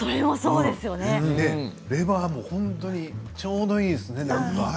レバーも本当にちょうどいいですね